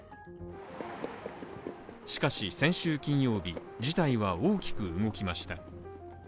しかし先週金曜日、事態は大きく動きました。